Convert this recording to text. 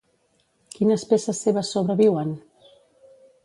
Quines peces seves sobreviuen?